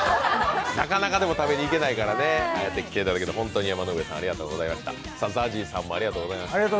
なかなか食べにいけないからね、ああやって来ていただけるだけで、山の上ホテルさんありがとうございました。